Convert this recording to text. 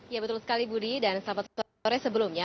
ya betul sekali budi dan selamat sore sebelumnya